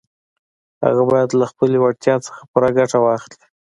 هغه بايد له خپلې وړتيا څخه پوره ګټه واخلي.